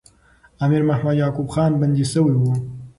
امیر محمد یعقوب خان بندي سوی وو.